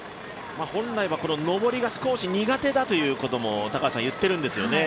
本来はこの上りが少し苦手だということも言っているんですよね。